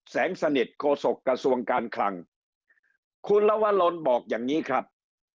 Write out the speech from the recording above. แสงสนิทโฆษกระทรวงการคลังคุณลวรลบอกอย่างนี้ครับ